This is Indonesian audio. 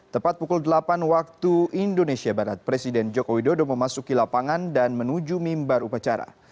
tepat pukul delapan waktu indonesia barat presiden joko widodo memasuki lapangan dan menuju mimbar upacara